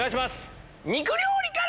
肉料理から。